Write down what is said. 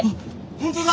本当だ。